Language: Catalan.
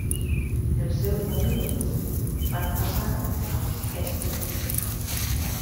Els seus dominis van passar als Este.